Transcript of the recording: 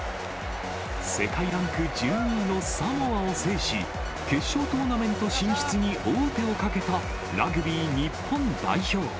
世界ランク１２位のサモアを制し、決勝トーナメント進出に王手をかけた、ラグビー日本代表。